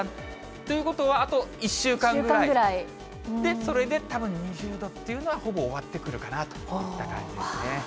ということは、あと１週間ぐらいで、それでたぶん２０度っていうのはほぼ終わってくるかなといった感じですね。